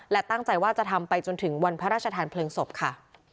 และตั้งใจว่าจะทำไปจนถึงวันพระราชทานเพลิงศพค่ะ